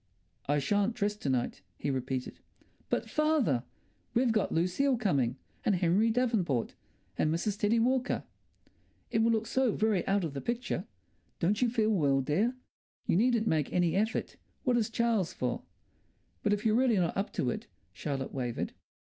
"I shan't dress to night," he repeated. "But, father, we've got Lucile coming, and Henry Davenport, and Mrs. Teddie Walker." "It will look so very out of the picture." "Don't you feel well, dear?" "You needn't make any effort. What is Charles for?" "But if you're really not up to it," Charlotte wavered.